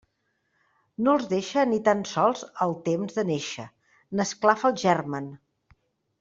No els deixa ni tan sols el temps de néixer; n'esclafa el germen.